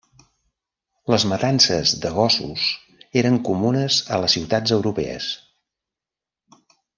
Les matances de gossos eren comunes a les ciutats europees.